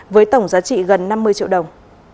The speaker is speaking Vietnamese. với tổng giá trị gần năm mươi triệu đồng